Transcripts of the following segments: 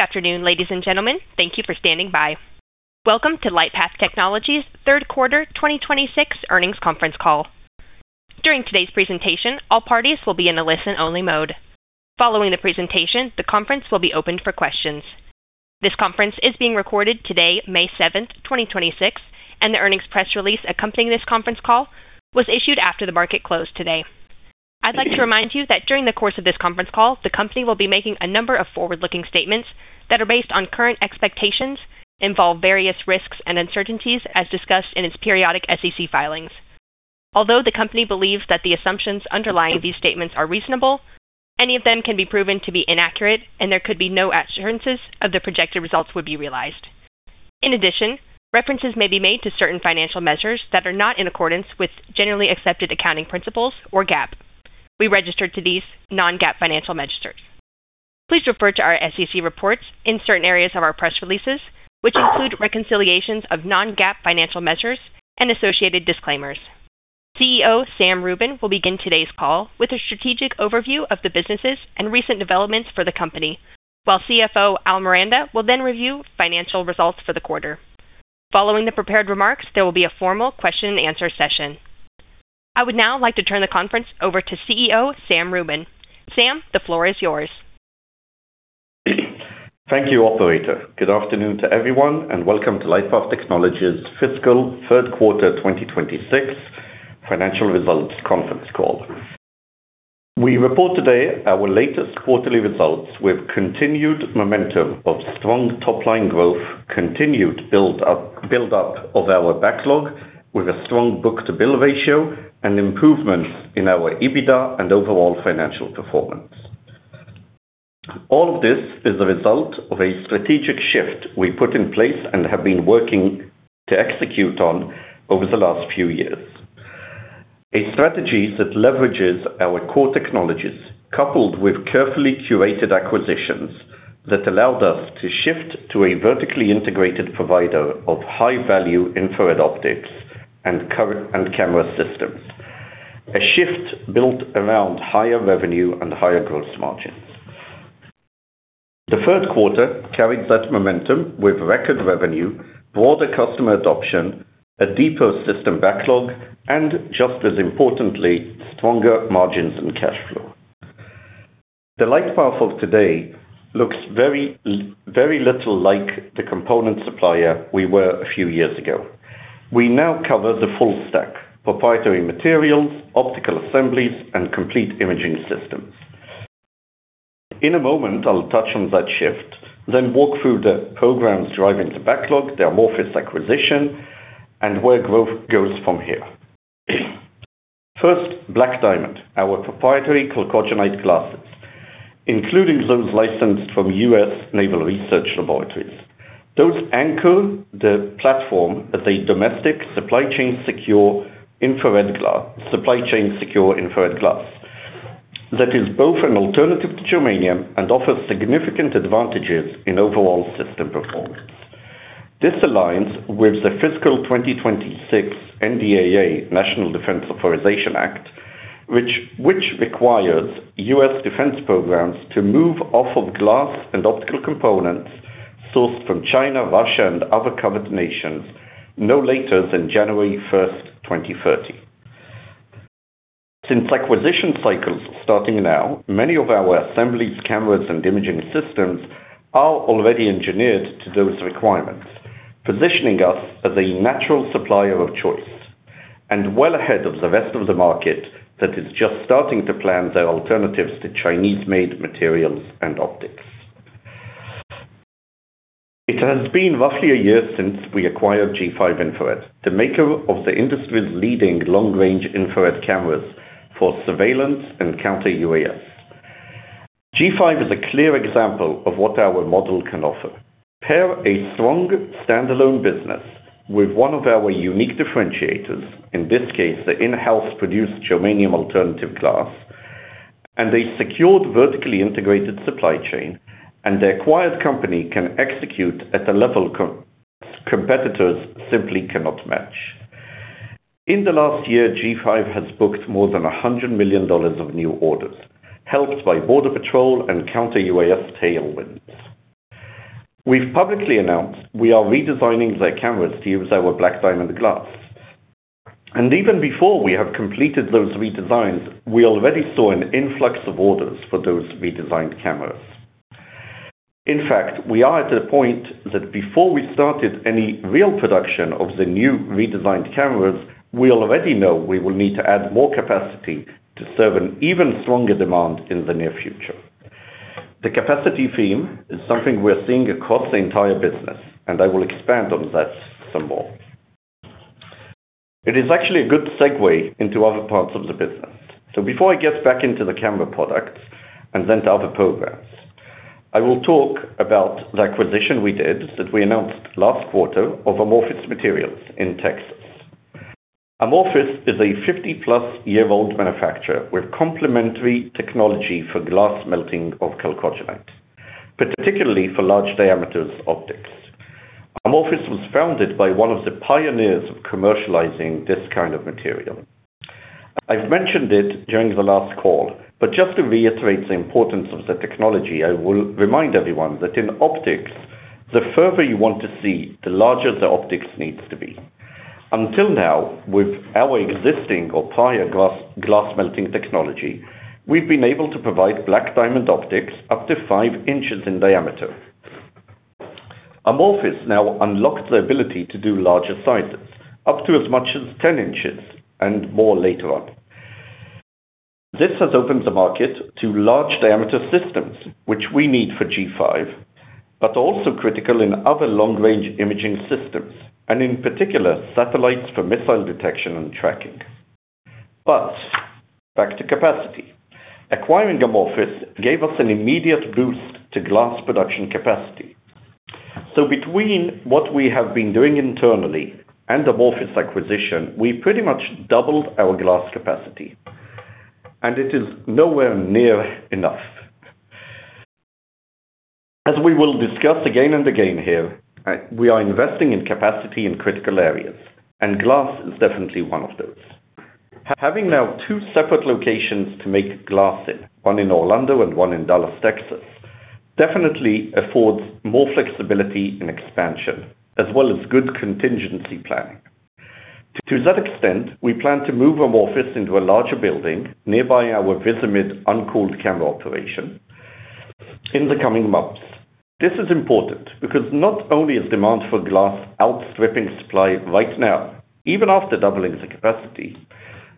Good afternoon, ladies and gentlemen. Thank you for standing by. Welcome to LightPath Technologies' Q3 2026 earnings conference call. During today's presentation, all parties will be in a listen-only mode. Following the presentation, the conference will be opened for questions. This conference is being recorded today, May 7th, 2026. The earnings press release accompanying this conference call was issued after the market closed today. I'd like to remind you that during the course of this conference call, the company will be making a number of forward-looking statements that are based on current expectations, involve various risks and uncertainties as discussed in its periodic SEC filings. Although the company believes that the assumptions underlying these statements are reasonable, any of them can be proven to be inaccurate and there could be no assurances of the projected results would be realized. In addition, references may be made to certain financial measures that are not in accordance with generally accepted accounting principles or GAAP. We refer to these non-GAAP financial measures. Please refer to our SEC reports in certain areas of our press releases, which include reconciliations of non-GAAP financial measures and associated disclaimers. CEO Sam Rubin will begin today's call with a strategic overview of the businesses and recent developments for the company, while CFO Al Miranda will then review financial results for the quarter. Following the prepared remarks, there will be a formal question and answer session. I would now like to turn the conference over to CEO Sam Rubin. Sam, the floor is yours. Thank you, operator. Good afternoon to everyone, and welcome to LightPath Technologies' fiscal Q3 2026 financial results conference call. We report today our latest quarterly results with continued momentum of strong top-line growth, continued build up of our backlog with a strong book-to-bill ratio and improvements in our EBITDA and overall financial performance. All of this is a result of a strategic shift we put in place and have been working to execute on over the last few years. A strategy that leverages our core technologies coupled with carefully curated acquisitions that allowed us to shift to a vertically integrated provider of high-value infrared optics and camera systems. A shift built around higher revenue and higher gross margins. The Q3 carried that momentum with record revenue, broader customer adoption, a deeper system backlog, and just as importantly, stronger margins and cash flow. The LightPath of today looks very little like the component supplier we were a few years ago. We now cover the full stack: proprietary materials, optical assemblies, and complete imaging systems. In a moment, I'll touch on that shift, then walk through the programs driving the backlog, the Amorphous acquisition, and where growth goes from here. First, BlackDiamond, our proprietary chalcogenide glasses, including those licensed from U.S. Naval Research Laboratory. Those anchor the platform as a domestic supply chain secure infrared glass that is both an alternative to germanium and offers significant advantages in overall system performance. This aligns with the fiscal 2026 NDAA, National Defense Authorization Act, which requires U.S. defense programs to move off of glass and optical components sourced from China, Russia, and other covered nations no later than January 1st, 2030. Since acquisition cycles starting now, many of our assemblies, cameras, and imaging systems are already engineered to those requirements, positioning us as a natural supplier of choice and well ahead of the rest of the market that is just starting to plan their alternatives to Chinese-made materials and optics. It has been roughly a year since we acquired G5 Infrared, the maker of the industry's leading long-range infrared cameras for surveillance and counter-UAS. G5 is a clear example of what our model can offer. Pair a strong standalone business with one of our unique differentiators, in this case, the in-house produced germanium alternative glass, and a secured vertically integrated supply chain, and the acquired company can execute at a level competitors simply cannot match. In the last year, G5 has booked more than $100 million of new orders, helped by border patrol and counter-UAS tailwinds. We've publicly announced we are redesigning their cameras to use our BlackDiamond glass. Even before we have completed those redesigns, we already saw an influx of orders for those redesigned cameras. In fact, we are at a point that before we started any real production of the new redesigned cameras, we already know we will need to add more capacity to serve an even stronger demand in the near future. The capacity theme is something we're seeing across the entire business, and I will expand on that some more. It is actually a good segue into other parts of the business. Before I get back into the camera products and then to other programs, I will talk about the acquisition we did that we announced last quarter of Amorphous Materials in Texas. Amorphous is a 50-plus-year-old manufacturer with complementary technology for glass melting of chalcogenide, particularly for large diameters optics. Amorphous was founded by one of the pioneers of commercializing this kind of material. I've mentioned it during the last call, but just to reiterate the importance of the technology, I will remind everyone that in optics, the further you want to see, the larger the optics needs to be. Until now, with our existing or prior glass melting technology, we've been able to provide BlackDiamond optics up to five inches in diameter. Amorphous now unlocks the ability to do larger sizes, up to as much as 10 inches and more later on. This has opened the market to large diameter systems, which we need for G5, but also critical in other long-range imaging systems, and in particular, satellites for missile detection and tracking. Back to capacity. Acquiring Amorphous gave us an immediate boost to glass production capacity. Between what we have been doing internally and Amorphous acquisition, we pretty much doubled our glass capacity, and it is nowhere near enough. As we will discuss again and again here, we are investing in capacity in critical areas, and glass is definitely one of those. Having now two separate locations to make glass in, one in Orlando and one in Dallas, Texas, definitely affords more flexibility and expansion, as well as good contingency planning. To that extent, we plan to move Amorphous into a larger building nearby our Visimid uncooled camera operation in the coming months. This is important because not only is demand for glass outstripping supply right now, even after doubling the capacity,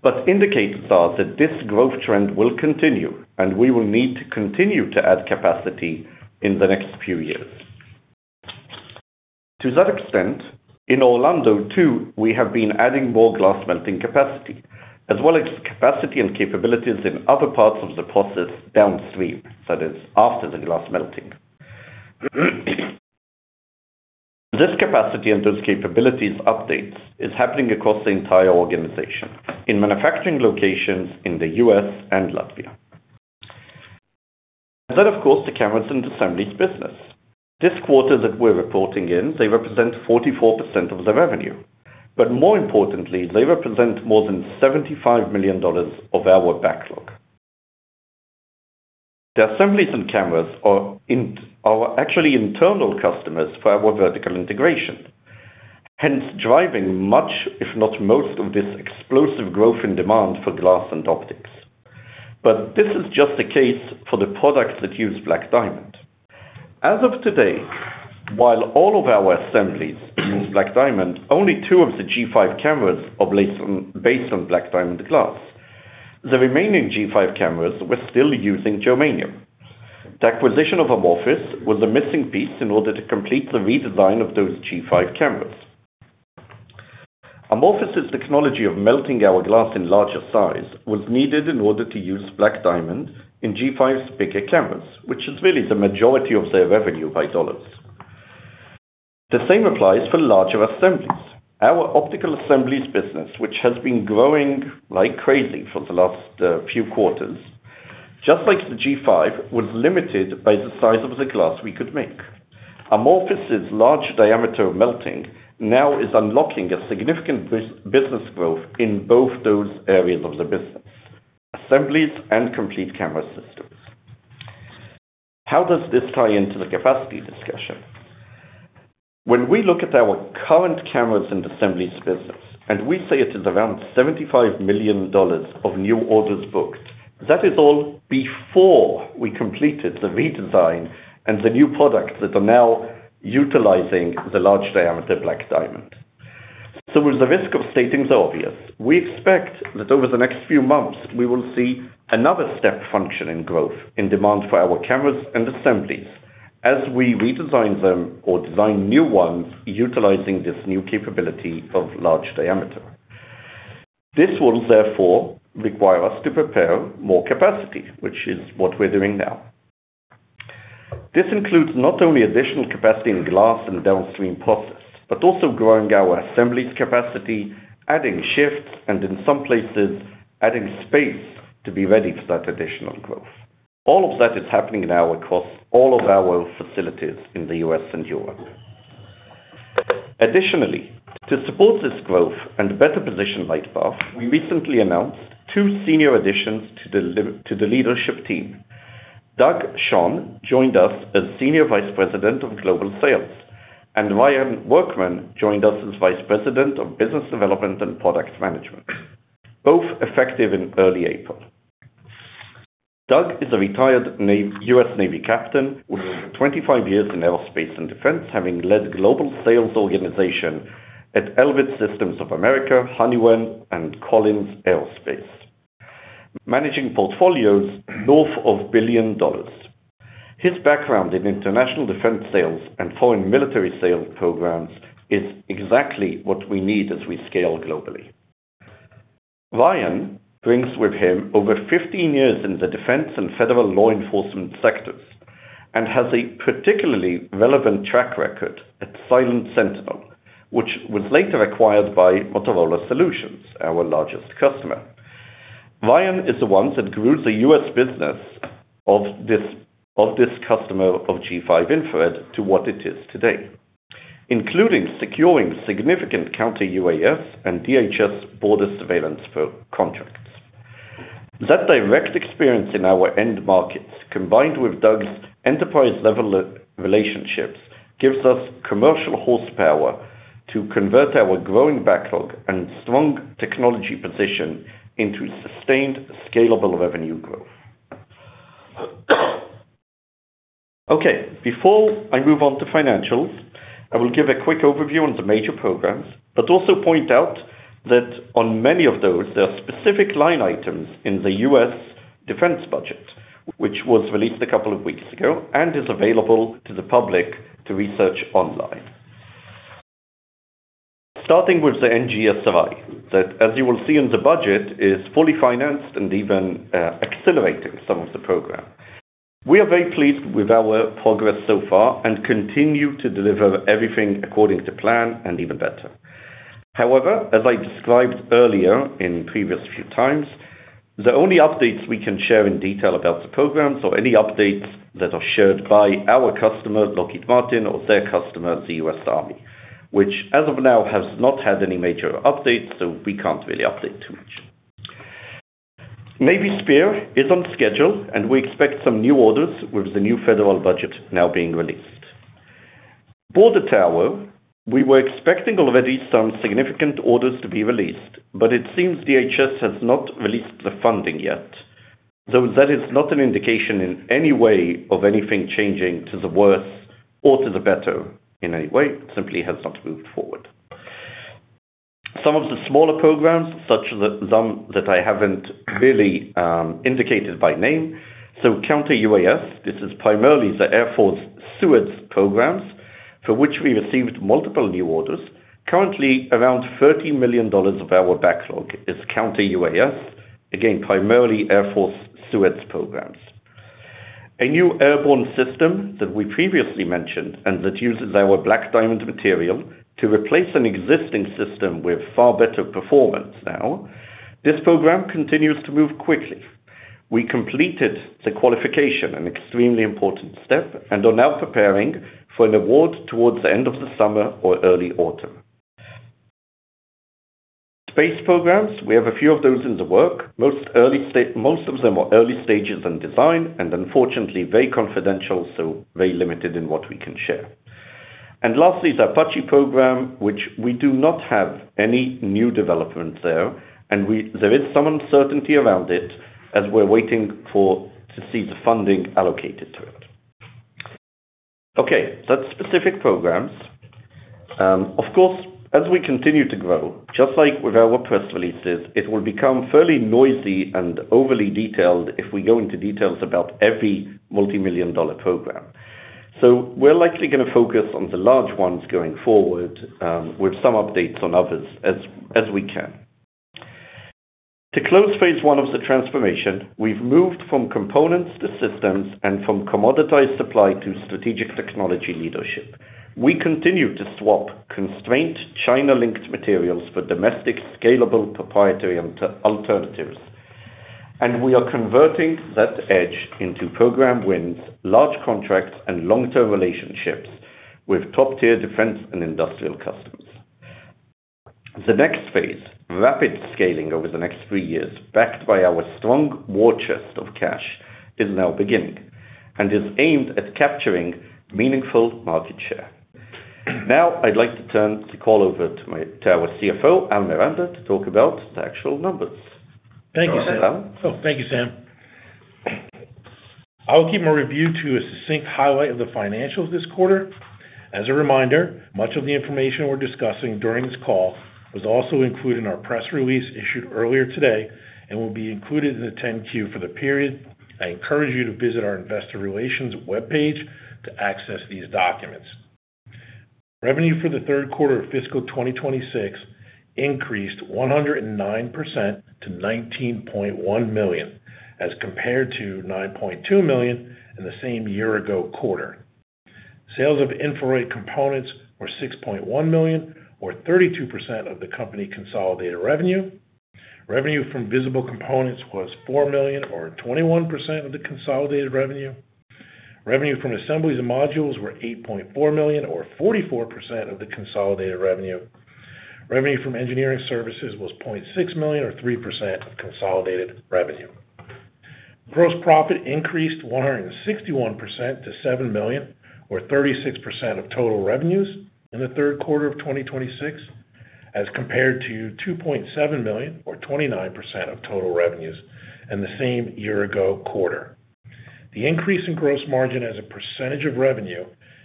but indicators are that this growth trend will continue, and we will need to continue to add capacity in the next few years. To that extent, in Orlando, too, we have been adding more glass melting capacity, as well as capacity and capabilities in other parts of the process downstream, that is, after the glass melting. This capacity and those capabilities updates is happening across the entire organization in manufacturing locations in the U.S. and Latvia. Of course, the cameras and assemblies business. This quarter that we're reporting in, they represent 44% of the revenue. More importantly, they represent more than $75 million of our backlog. The assemblies and cameras are actually internal customers for our vertical integration, hence driving much, if not most, of this explosive growth in demand for glass and optics. This is just the case for the products that use BlackDiamond. As of today, while all of our assemblies use BlackDiamond, only two of the G5 cameras are based on BlackDiamond glass. The remaining G5 cameras were still using germanium. The acquisition of Amorphous was the missing piece in order to complete the redesign of those G5 cameras. Amorphous' technology of melting our glass in larger size was needed in order to use BlackDiamond in G5's bigger cameras, which is really the majority of their revenue by dollars. The same applies for larger assemblies. Our optical assemblies business, which has been growing like crazy for the last few quarters, just like the G5, was limited by the size of the glass we could make. Amorphous' large diameter melting now is unlocking a significant business growth in both those areas of the business, assemblies and complete camera systems. How does this tie into the capacity discussion? When we look at our current cameras and assemblies business, and we say it is around $75 million of new orders booked, that is all before we completed the redesign and the new products that are now utilizing the large diameter BlackDiamond. With the risk of stating the obvious, we expect that over the next few months, we will see another step function in growth in demand for our cameras and assemblies as we redesign them or design new ones utilizing this new capability of large diameter. This will, therefore, require us to prepare more capacity, which is what we're doing now. This includes not only additional capacity in glass and downstream process, but also growing our assemblies capacity, adding shifts, and in some places, adding space to be ready for that additional growth. All of that is happening now across all of our facilities in the U.S. and Europe. Additionally, to support this growth and better position LightPath, we recently announced two senior additions to the leadership team. Doug Schoen joined us as Senior Vice President of Global Sales, and Ryan Workman joined us as Vice President of Business Development and Product Management, both effective in early April. Doug is a retired U.S. Navy captain with over 25 years in aerospace and defense, having led global sales organization at Elbit Systems of America, Honeywell, and Collins Aerospace, managing portfolios north of $1 billion. His background in international defense sales and foreign military sales programs is exactly what we need as we scale globally. Ryan brings with him over 15 years in the defense and federal law enforcement sectors and has a particularly relevant track record at Silent Sentinel, which was later acquired by Motorola Solutions, our largest customer. Ryan is the one that grew the U.S. business of this, of this customer of G5 Infrared to what it is today. Including securing significant counter-UAS and DHS border surveillance for contracts. That direct experience in our end markets, combined with Doug's enterprise-level relationships, gives us commercial horsepower to convert our growing backlog and strong technology position into sustained scalable revenue growth. Okay, before I move on to financials, I will give a quick overview on the major programs, but also point out that on many of those, there are specific line items in the U.S. defense budget, which was released a couple of weeks ago and is available to the public to research online. Starting with the NGSRI, that, as you will see in the budget, is fully financed and even accelerating some of the program. We are very pleased with our progress so far and continue to deliver everything according to plan and even better. As I described earlier in previous few times, the only updates we can share in detail about the programs or any updates that are shared by our customer, Lockheed Martin, or their customer, the US Army, which as of now has not had any major updates, we can't really update too much. SPEIR is on schedule, and we expect some new orders with the new federal budget now being released. Border Tower, we were expecting already some significant orders to be released. It seems DHS has not released the funding yet. That is not an indication in any way of anything changing to the worse or to the better in any way, simply has not moved forward. Some of the smaller programs, such as some that I haven't really indicated by name. Counter-UAS, this is primarily the Air Force SEWADS programs, for which we received multiple new orders. Currently, around $30 million of our backlog is counter-UAS, again, primarily Air Force SEWADS programs. A new airborne system that we previously mentioned and that uses our BlackDiamond material to replace an existing system with far better performance now. This program continues to move quickly. We completed the qualification, an extremely important step, and are now preparing for an award towards the end of the summer or early autumn. Space programs, we have a few of those in the work. Most of them are early stages in design, and unfortunately, very confidential, so very limited in what we can share. Lastly, the Apache program, which we do not have any new developments there is some uncertainty around it as we're waiting for to see the funding allocated to it. Okay, that's specific programs. Of course, as we continue to grow, just like with our press releases, it will become fairly noisy and overly detailed if we go into details about every multimillion-dollar program. We're likely gonna focus on the large ones going forward, with some updates on others as we can. To close phase I of the transformation, we've moved from components to systems and from commoditized supply to strategic technology leadership. We continue to swap constrained China-linked materials for domestic, scalable, proprietary alternatives, and we are converting that edge into program wins, large contracts, and long-term relationships with top-tier defense and industrial customers. The next phase, rapid scaling over the next three years, backed by our strong war chest of cash, is now beginning and is aimed at capturing meaningful market share. I'd like to turn the call over to our CFO, Al Miranda, to talk about the actual numbers. Thank you, Sam. Go ahead, Al. Oh, thank you, Sam. I will keep my review to a succinct highlight of the financials this quarter. As a reminder, much of the information we're discussing during this call was also included in our press release issued earlier today and will be included in the 10-Q for the period. I encourage you to visit our investor relations webpage to access these documents. Revenue for the Q3 of fiscal 2026 increased 109% to $19.1 million, as compared to $9.2 million in the same year-ago quarter. Sales of infrared components were $6.1 million or 32% of the company consolidated revenue. Revenue from visible components was $4 million or 21% of the consolidated revenue. Revenue from assemblies and modules were $8.4 million or 44% of the consolidated revenue. Revenue from engineering services was $0.6 million or 3% of consolidated revenue. Gross profit increased 161% to $7 million or 36% of total revenues in the Q3 of 2026, as compared to $2.7 million or 29% of total revenues in the same year-ago quarter. The increase in gross margin as a percentage of revenue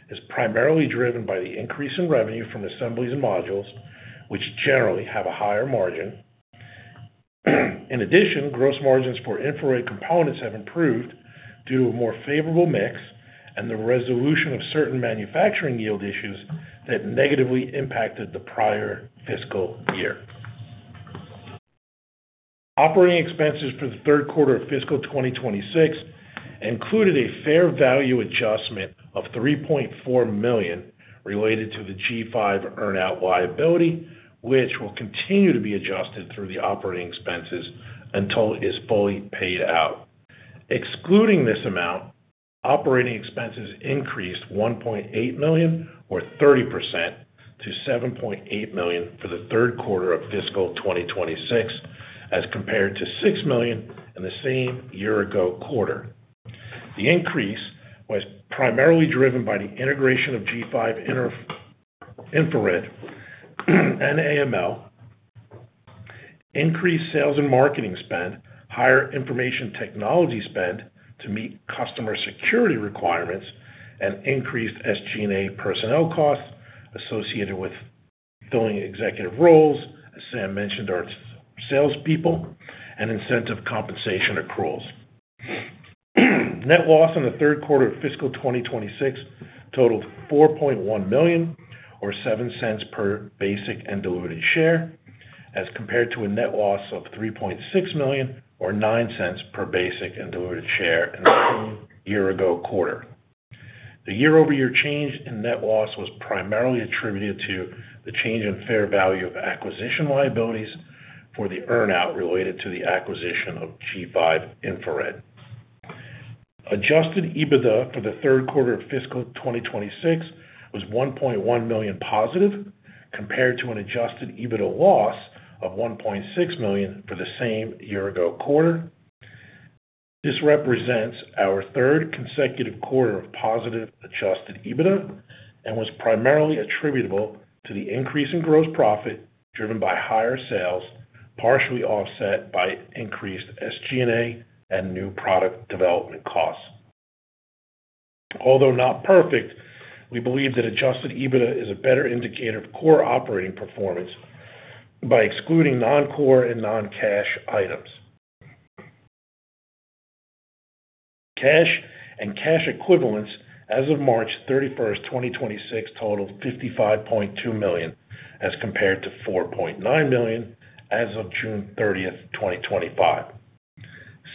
is primarily driven by the increase in revenue from assemblies and modules, which generally have a higher margin. In addition, gross margins for infrared components have improved due to a more favorable mix and the resolution of certain manufacturing yield issues that negatively impacted the prior FY. Operating expenses for the Q3 of fiscal 2026 included a fair value adjustment of $3.4 million related to the G5 earn out liability, which will continue to be adjusted through the operating expenses until it is fully paid out. Excluding this amount, operating expenses increased $1.8 million or 30% to $7.8 million for the Q3 of fiscal 2026 as compared to $6 million in the same year-ago quarter. The increase was primarily driven by the integration of G5 Infrared and AM, increased sales and marketing spend, higher information technology spend to meet customer security requirements, and increased SG&A personnel costs associated with filling executive roles, as Sam mentioned, our salespeople, and incentive compensation accruals. Net loss in the Q3 of fiscal 2026 totaled $4.1 million or $0.07 per basic and delivered share as compared to a net loss of $3.6 million or $0.09 per basic and delivered share in the same year-ago quarter. The year-over-year change in net loss was primarily attributed to the change in fair value of acquisition liabilities for the earn-out related to the acquisition of G5 Infrared. Adjusted EBITDA for the Q3 of fiscal 2026 was $1.1 million positive compared to an adjusted EBITDA loss of $1.6 million for the same year-ago quarter. This represents our third consecutive quarter of positive adjusted EBITDA and was primarily attributable to the increase in gross profit driven by higher sales, partially offset by increased SG&A and new product development costs. Although not perfect, we believe that adjusted EBITDA is a better indicator of core operating performance by excluding non-core and non-cash items. Cash and cash equivalents as of March 31st, 2026 totaled $55.2 million as compared to $4.9 million as of June 30th, 2025.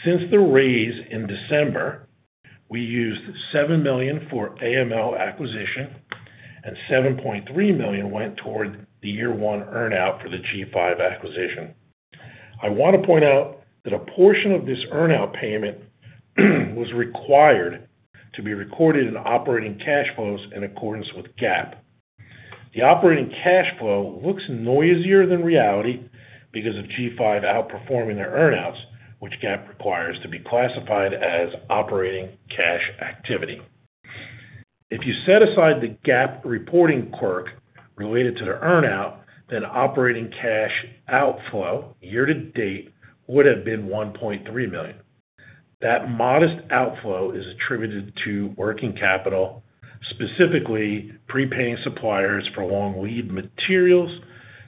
Since the raise in December, we used $7 million for AM acquisition and $7.3 million went toward the year one earn-out for the G5 acquisition. I want to point out that a portion of this earn-out payment was required to be recorded in operating cash flows in accordance with GAAP. The operating cash flow looks noisier than reality because of G5 outperforming their earn-outs, which GAAP requires to be classified as operating cash activity. If you set aside the GAAP reporting quirk related to the earn-out, then operating cash outflow year to date would have been $1.3 million. That modest outflow is attributed to working capital, specifically prepaying suppliers for long lead materials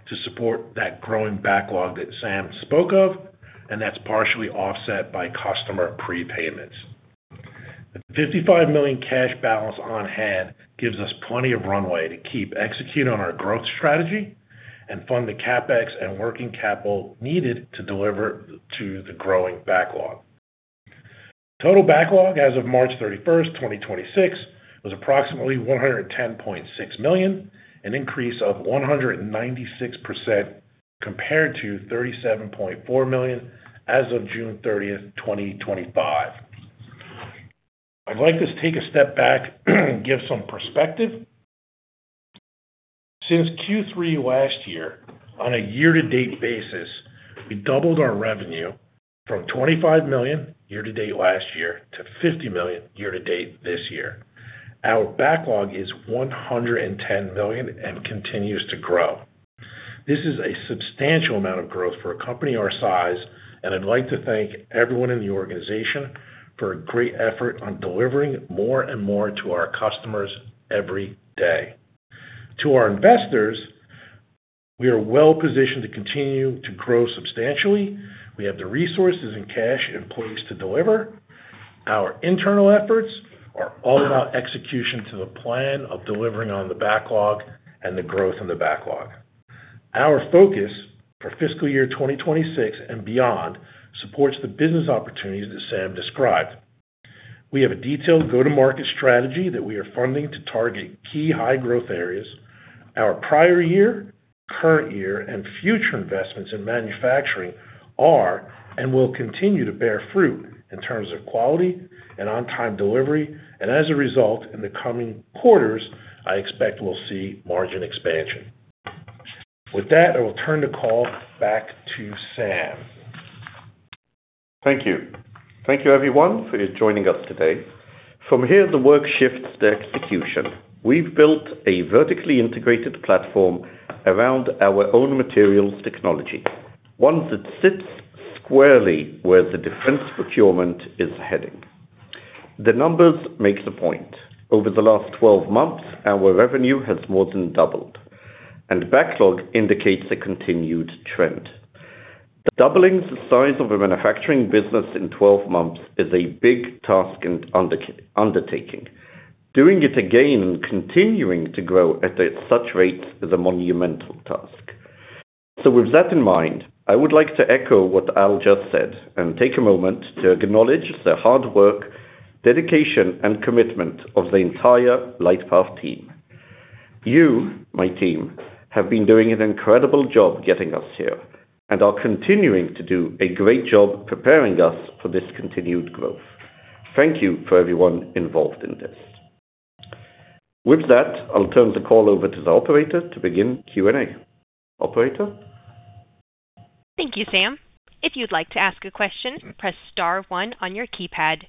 to support that growing backlog that Sam spoke of, and that's partially offset by customer prepayments. The $55 million cash balance on hand gives us plenty of runway to keep executing on our growth strategy and fund the CapEx and working capital needed to deliver to the growing backlog. Total backlog as of March 31st, 2026 was approximately $110.6 million, an increase of 196% compared to $37.4 million as of June 30, 2025. I'd like to take a step back and give some perspective. Since Q3 last year, on a year-to-date basis, we doubled our revenue from $25 million year-to-date last year to $50 million year-to-date this year. Our backlog is $110 million and continues to grow. This is a substantial amount of growth for a company our size, and I'd like to thank everyone in the organization for a great effort on delivering more and more to our customers every day. To our investors, we are well-positioned to continue to grow substantially. We have the resources and cash in place to deliver. Our internal efforts are all about execution to the plan of delivering on the backlog and the growth in the backlog. Our focus for FY 2026 and beyond supports the business opportunities that Sam described. We have a detailed go-to-market strategy that we are funding to target key high-growth areas. Our prior year, current year, and future investments in manufacturing are and will continue to bear fruit in terms of quality and on-time delivery. As a result, in the coming quarters, I expect we'll see margin expansion. With that, I will turn the call back to Sam. Thank you. Thank you, everyone, for joining us today. From here, the work shifts to execution. We've built a vertically integrated platform around our own materials technology, one that sits squarely where the defense procurement is heading. The numbers make the point. Over the last 12 months, our revenue has more than doubled, and backlog indicates a continued trend. Doubling the size of a manufacturing business in 12 months is a big task and undertaking. Doing it again and continuing to grow at such rate is a monumental task. With that in mind, I would like to echo what Al just said and take a moment to acknowledge the hard work, dedication, and commitment of the entire LightPath team. You, my team, have been doing an incredible job getting us here and are continuing to do a great job preparing us for this continued growth. Thank you for everyone involved in this. With that, I'll turn the call over to the operator to begin Q&A. Operator? Thank you, Sam. If you'd like to ask a question, press star one on your keypad.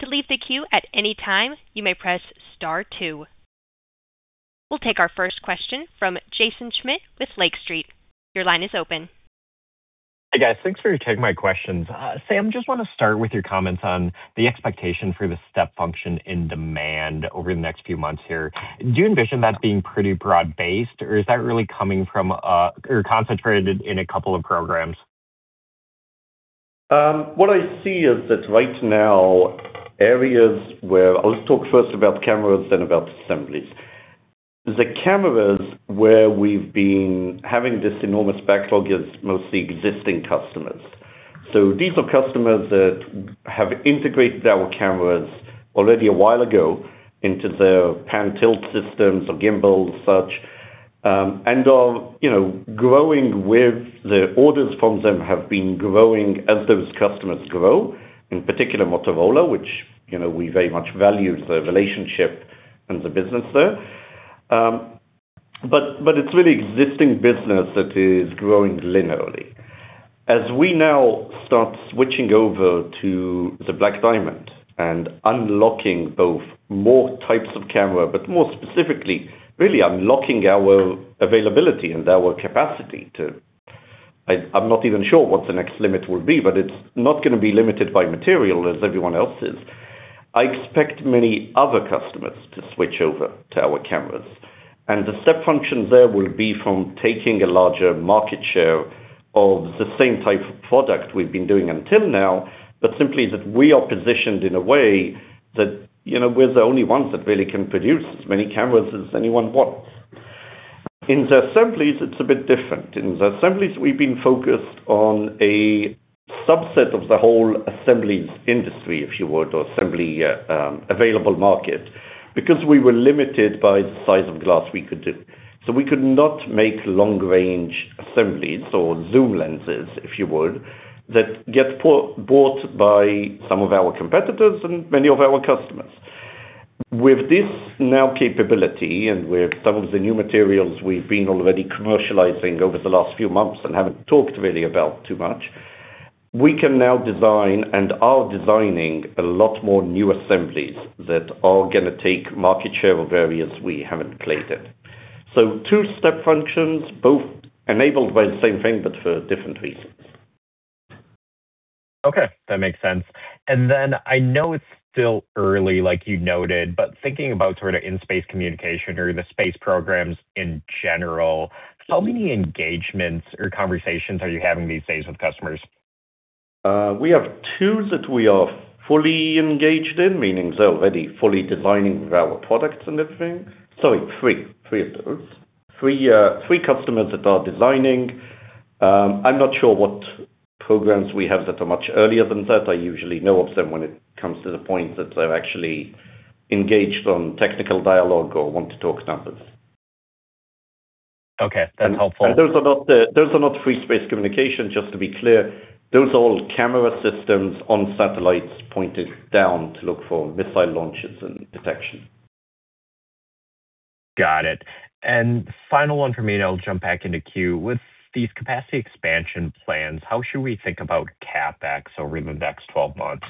To leave the queue at any time, you may press star two. We'll take our first question from Jaeson Schmidt with Lake Street. Your line is open. Hi, guys. Thanks for taking my questions. Sam, just wanna start with your comments on the expectation for the step function in demand over the next few months here. Do you envision that being pretty broad-based, or is that really coming from, or concentrated in a couple of programs? What I see is that right now, areas where I'll talk first about cameras then about assemblies. The cameras where we've been having this enormous backlog is mostly existing customers. These are customers that have integrated our cameras already a while ago into their pan tilt systems or gimbals, such, and are, you know, growing with the orders from them have been growing as those customers grow. In particular, Motorola, which, you know, we very much value the relationship and the business there. But it's really existing business that is growing linearly. As we now start switching over to the BlackDiamond and unlocking both more types of camera, but more specifically, really unlocking our availability and our capacity to I'm not even sure what the next limit will be, but it's not gonna be limited by material as everyone else's. I expect many other customers to switch over to our cameras. The step functions there will be from taking a larger market share of the same type of product we've been doing until now, but simply that we are positioned in a way that, you know, we're the only ones that really can produce as many cameras as anyone wants. In the assemblies, it's a bit different. In the assemblies, we've been focused on a subset of the whole assemblies industry, if you would, or assembly available market, because we were limited by the size of glass we could do. We could not make long range assemblies or zoom lenses, if you would, that get bought by some of our competitors and many of our customers. With this now capability and with some of the new materials we've been already commercializing over the last few months and haven't talked really about too much, we can now design and are designing a lot more new assemblies that are gonna take market share of areas we haven't played in. Two step functions, both enabled by the same thing, but for different reasons. Okay, that makes sense. I know it's still early, like you noted, thinking about sort of in-space communication or the space programs in general, how many engagements or conversations are you having these days with customers? We have two that we are fully engaged in, meaning they're already fully designing with our products and everything. Sorry, three. Three of those. Three customers that are designing. I'm not sure what programs we have that are much earlier than that. I usually know of them when it comes to the point that they're actually engaged on technical dialogue or want to talk numbers. Okay. That's helpful. Those are not free space communication, just to be clear. Those are all camera systems on satellites pointed down to look for missile launches and detection. Got it. Final one from me, and I'll jump back into queue. With these capacity expansion plans, how should we think about CapEx over the next 12 months?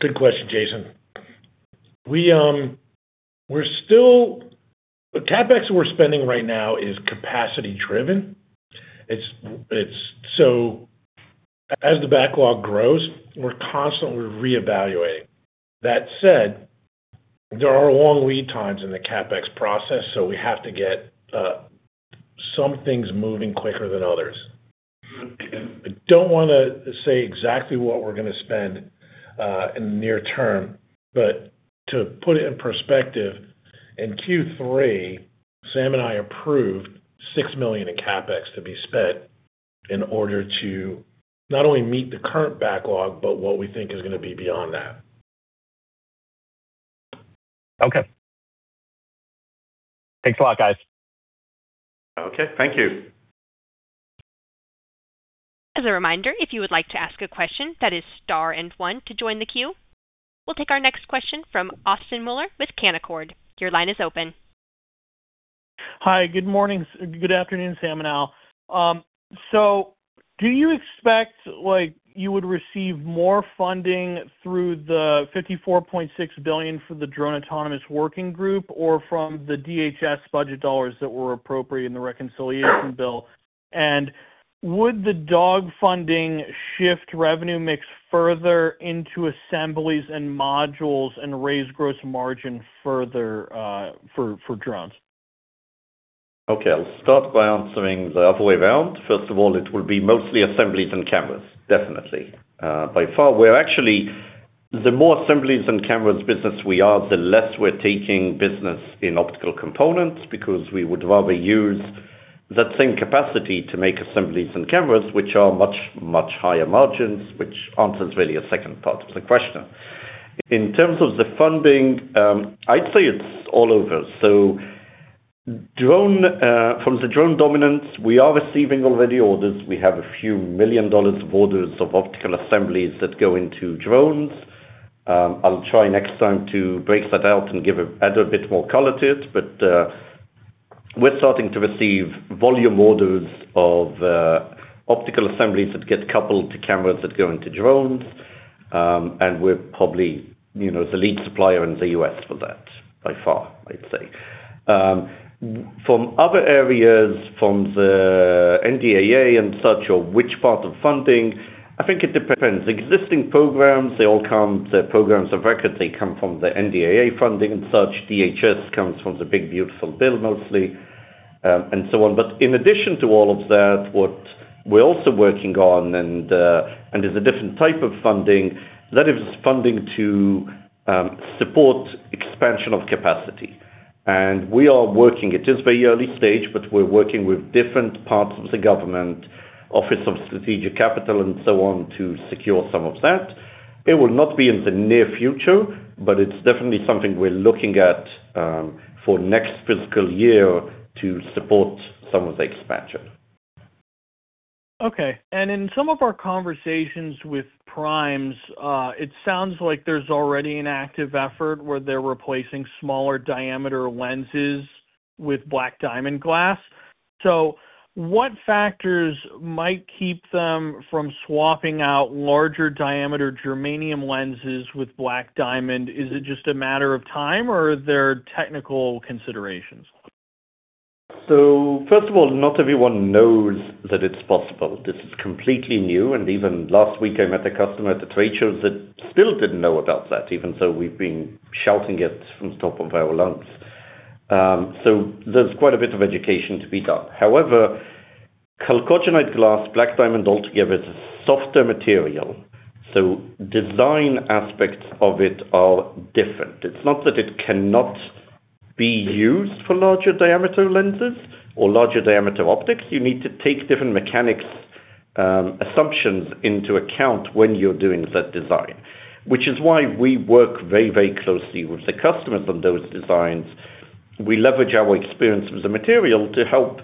Good question, Jaeson. The CapEx we're spending right now is capacity-driven. As the backlog grows, we're constantly reevaluating. That said, there are long lead times in the CapEx process, we have to get some things moving quicker than others. I don't wanna say exactly what we're gonna spend in the near term, but to put it in perspective, in Q3, Sam and I approved $6 million in CapEx to be spent in order to not only meet the current backlog, but what we think is gonna be beyond that. Okay. Thanks a lot, guys. Okay. Thank you. As a reminder, if you would like to ask a question, that is star and one to join the queue. We'll take our next question from Austin Moeller with Canaccord. Your line is open. Hi, good morning. Good afternoon, Sam and Al. Do you expect, like, you would receive more funding through the $54.6 billion for the Drone Autonomous Working Group or from the DHS budget dollars that were appropriate in the reconciliation bill? Would the DAWG funding shift revenue mix further into assemblies and modules and raise gross margin further for drones? Okay. I'll start by answering the other way around. First of all, it will be mostly assemblies and cameras, definitely. By far, we're actually the more assemblies and cameras business we are, the less we're taking business in optical components because we would rather use that same capacity to make assemblies and cameras which are much, much higher margins, which answers really a second part of the question. In terms of the funding, I'd say it's all over. Drone, from the drone dominance, we are receiving already orders. We have a few million dollars of orders of optical assemblies that go into drones. I'll try next time to break that out and add a bit more color to it. We're starting to receive volume orders of optical assemblies that get coupled to cameras that go into drones. We're probably, you know, the lead supplier in the U.S. for that by far, I'd say. From other areas from the NDAA and such, which part of funding, I think it depends. Existing programs, the programs of record, they come from the NDAA funding and such. DHS comes from the big beautiful bill mostly, and so on. In addition to all of that, what we're also working on and is a different type of funding, that is funding to support expansion of capacity. We are working. It is very early stage, but we're working with different parts of the government, Office of Strategic Capital and so on, to secure some of that. It will not be in the near future, but it's definitely something we're looking at, for next FY to support some of the expansion. Okay. In some of our conversations with primes, it sounds like there's already an active effort where they're replacing smaller diameter lenses with BlackDiamond glass. What factors might keep them from swapping out larger diameter germanium lenses with BlackDiamond? Is it just a matter of time or are there technical considerations? First of all, not everyone knows that it's possible. This is completely new. Even last week, I met a customer at the trade shows that still didn't know about that, even so we've been shouting it from the top of our lungs. There's quite a bit of education to be done. However, chalcogenide glass, BlackDiamond altogether, it's a softer material, so design aspects of it are different. It's not that it cannot be used for larger diameter lenses or larger diameter optics. You need to take different mechanics assumptions into account when you're doing that design, which is why we work very, very closely with the customers on those designs. We leverage our experience with the material to help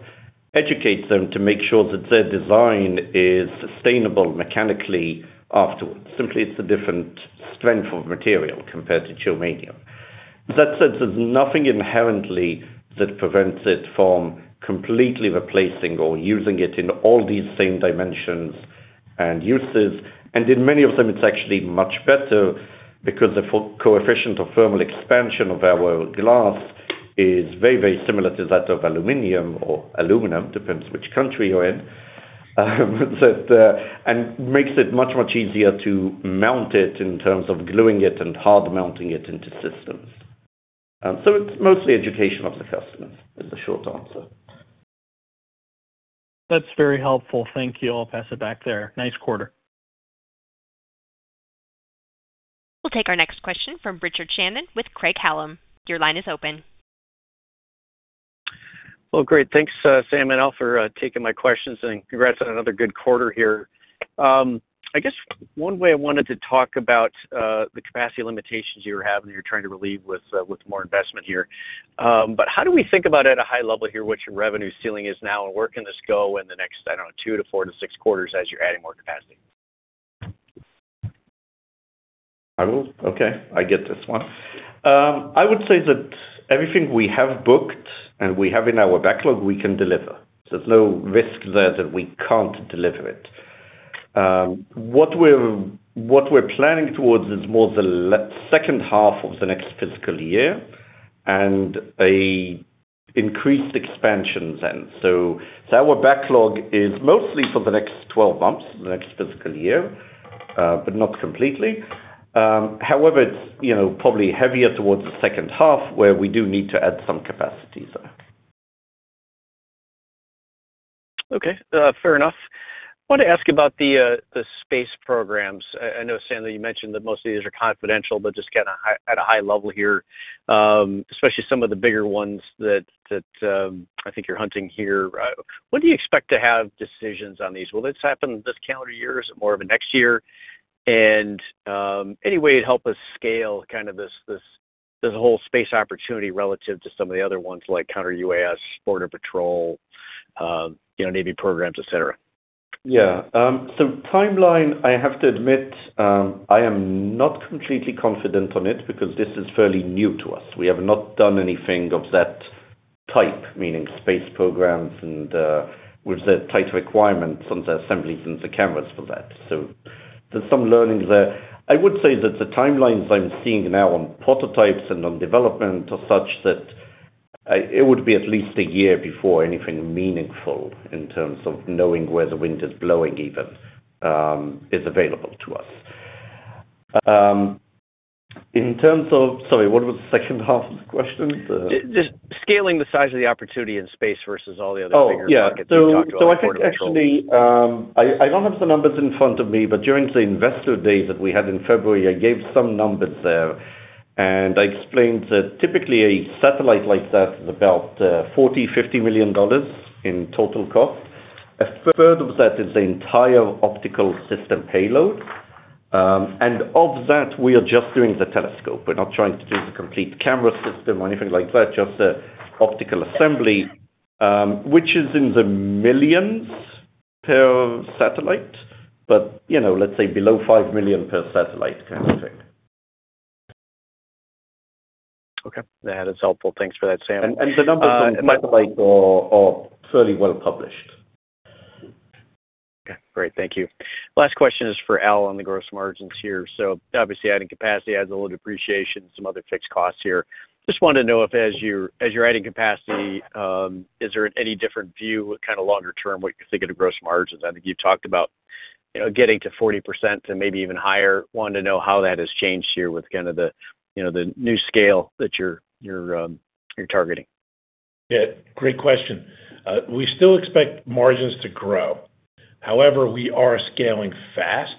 educate them to make sure that their design is sustainable mechanically afterwards. Simply, it's a different strength of material compared to germanium. That said, there's nothing inherently that prevents it from completely replacing or using it in all these same dimensions and uses. In many of them, it's actually much better because the co-coefficient of thermal expansion of our glass is very, very similar to that of aluminum or aluminum, depends which country you're in. That makes it much easier to mount it in terms of gluing it and hard mounting it into systems. It's mostly education of the customers is the short answer. That's very helpful. Thank you. I'll pass it back there. Nice quarter. We'll take our next question from Richard Shannon with Craig-Hallum. Your line is open. Well, great. Thanks, Sam and Al, for taking my questions, and congrats on another good quarter here. I guess one way I wanted to talk about the capacity limitations you were having, you're trying to relieve with more investment here. How do we think about at a high level here, what your revenue ceiling is now and where can this go in the next, I don't know, two to four to six quarters as you're adding more capacity? I will. Okay, I get this one. I would say that everything we have booked and we have in our backlog we can deliver. There's no risk there that we can't deliver it. What we're planning towards is more the H2 of the next FY and a increased expansion then. Our backlog is mostly for the next 12 months, the next FY, but not completely. However, it's, you know, probably heavier towards the H2 where we do need to add some capacity. Okay, fair enough. I want to ask about the space programs. I know, Sam, that you mentioned that most of these are confidential, but just kinda at a high level here, especially some of the bigger ones that, I think you're hunting here. When do you expect to have decisions on these? Will this happen this calendar year? Is it more of a next year? Any way you'd help us scale kind of this whole space opportunity relative to some of the other ones like counter-UAS, border patrol, you know, Navy programs, et cetera. Yeah. timeline, I have to admit, I am not completely confident on it because this is fairly new to us. We have not done anything of that type, meaning space programs and, with the tight requirements on the assemblies and the cameras for that. there's some learnings there. I would say that the timelines I'm seeing now on prototypes and on development are such that it would be at least a year before anything meaningful in terms of knowing where the wind is blowing even, is available to us. in terms of Sorry, what was the H2 of the question? Just scaling the size of the opportunity in space versus all the other bigger markets. Oh, yeah. You talked about, Border Patrol. I think actually, I don't have the numbers in front of me, but during the investor day that we had in February, I gave some numbers there. I explained that typically a satellite like that is about $40 million-$50 million in total cost. A third of that is the entire optical system payload. Of that, we are just doing the telescope. We're not trying to do the complete camera system or anything like that, just the optical assembly, which is in the millions per satellite. You know, let's say below $5 million per satellite kind of thing. Okay. That is helpful. Thanks for that, Sam. The numbers on satellite are fairly well-published. Okay, great. Thank you. Last question is for Al on the gross margins here. Obviously adding capacity adds a little depreciation, some other fixed costs here. Just wanted to know if as you're adding capacity, is there any different view kind of longer term what you think of the gross margins? I think you talked about, you know, getting to 40% and maybe even higher. Wanted to know how that has changed here with kind of the, you know, the new scale that you're targeting. Yeah, great question. We still expect margins to grow. However, we are scaling fast,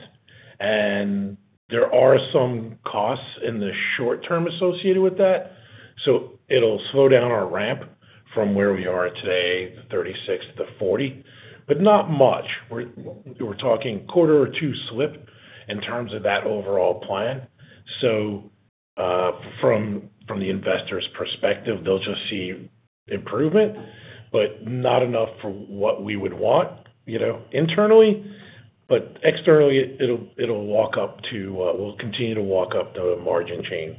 and there are some costs in the short term associated with that. It'll slow down our ramp from where we are today, the 36 to the 40, but not much. We're talking quarter or two slip in terms of that overall plan. From the investor's perspective, they'll just see improvement, but not enough for what we would want, you know, internally. Externally it'll walk up to, we'll continue to walk up the margin chain.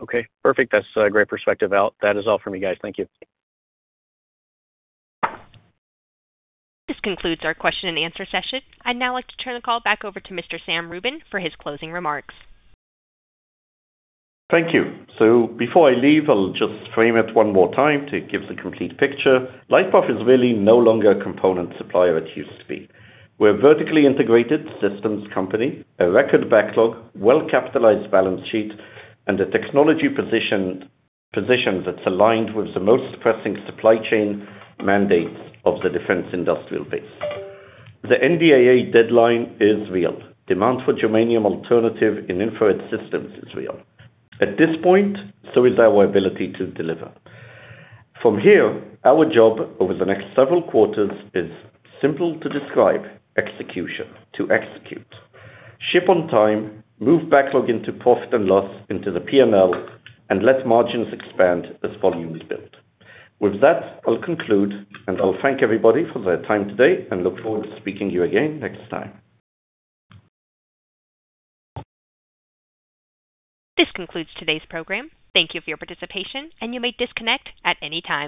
Okay, perfect. That's great perspective, Al. That is all for me, guys. Thank you. This concludes our question and answer session. I'd now like to turn the call back over to Mr. Sam Rubin for his closing remarks. Thank you. Before I leave, I'll just frame it one more time to give the complete picture. LightPath is really no longer a component supplier it used to be. We're a vertically integrated systems company, a record backlog, well-capitalized balance sheet, and a technology position that's aligned with the most pressing supply chain mandates of the defense industrial base. The NDAA deadline is real. Demand for germanium alternative in infrared systems is real. At this point, so is our ability to deliver. From here, our job over the next several quarters is simple to describe: execution. To execute. Ship on time, move backlog into the P&L, and let margins expand as volume is built. With that, I'll conclude, and I'll thank everybody for their time today and look forward to speaking to you again next time. This concludes today's program. Thank you for your participation, and you may disconnect at any time.